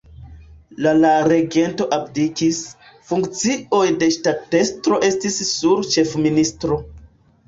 La la regento abdikis, funkcioj de ŝtatestro estis sur ĉefministro.